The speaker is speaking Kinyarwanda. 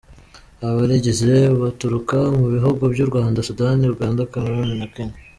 Abarigize baturuka mu bihugu by’u Rwanda, Sudani, Uganda Comores na Kenya.